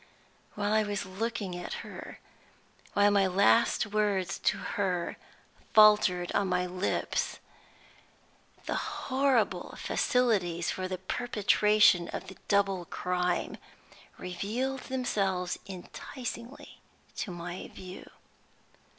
While I was still looking at her, while my last words to her faltered on my lips, the horrible facilities for the perpetration of the double crime revealed themselves enticingly to my view.